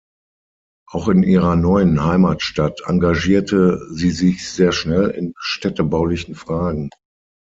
Auch in ihrer neuen Heimatstadt engagierte sie sich sehr schnell in städtebaulichen Fragen.